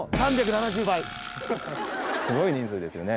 「スゴい人数ですよね」